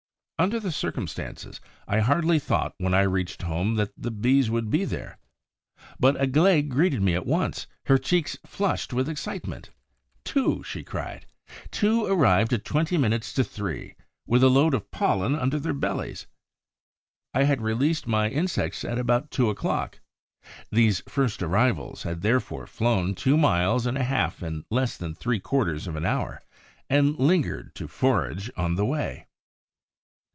Under the circumstances, I hardly thought, when I reached home, that the Bees would be there. But Aglaé greeted me at once, her cheeks flushed with excitement: "Two!" she cried. "Two arrived at twenty minutes to three, with a load of pollen under their bellies!" I had released my insects at about two o'clock; these first arrivals had therefore flown two miles and a half in less than three quarters of an hour, and lingered to forage on the way.